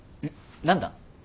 何だ？